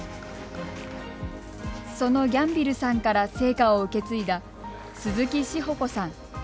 そのギャンビルさんから聖火を受け継いだ鈴木志保子さん。